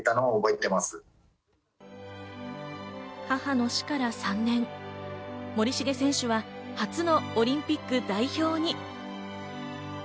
母の死から３年、森重選手は初のオリンピック代表に。